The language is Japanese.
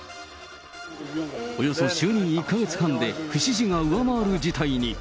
およそ就任１か月半で、不支持が上回る事態に。